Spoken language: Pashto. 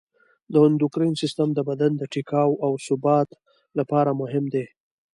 د اندوکراین سیستم د بدن د ټیکاو او ثبات لپاره مهم دی.